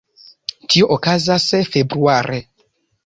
Tio okazas februare.